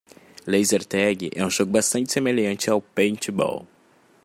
Laser tag é um jogo bastante semelhante ao paintball.